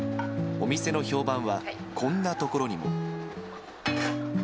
お店の評判はこんなところにも。